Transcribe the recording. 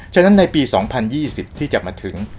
ฉะนั้นในปี๒๐๒๐ที่จะมาถึง